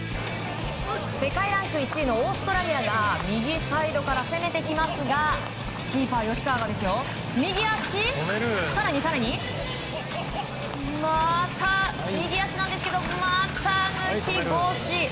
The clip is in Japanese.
世界ランク１位のオーストラリアが右サイドから攻めてきますがキーパー吉川が右足、更に更にまた右足なんですけど股抜き防止。